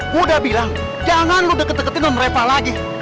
gua udah bilang jangan lu deket deketin om reva lagi